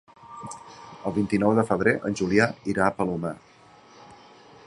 El vint-i-nou de febrer en Julià irà al Palomar.